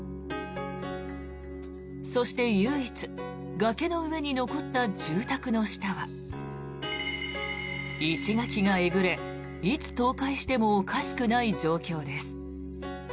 そして唯一、崖の上に残った住宅の下は石垣がえぐれ、いつ倒壊してもおかしくない状況です。